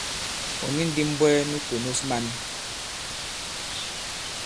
Ɔ̀ ni ndī m̀bwɛɛ nu kònos man.